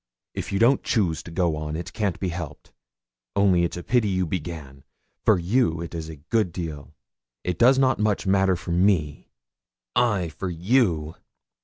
If you don't choose to go on, it can't be helped; only it's a pity you began. For you it is a good deal it does not much matter for me.' 'Ay, for you!'